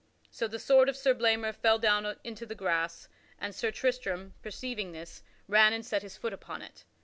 So the sword of Sir Blamor fell down into the grass, and Sir Tristram, perceiving this, ran and set his foot upon it.